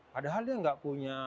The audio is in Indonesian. padahal dia tidak punya